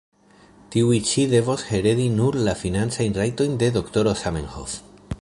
Tiuj ĉi devos heredi nur la financajn rajtojn de Dro Zamenhof.